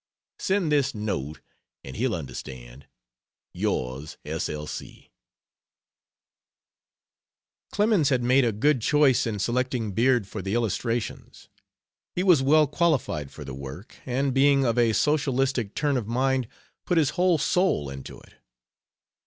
Send this note and he'll understand. Yr S. L. C. Clemens had made a good choice in selecting Beard for the illustrations. He was well qualified for the work, and being of a socialistic turn of mind put his whole soul into it.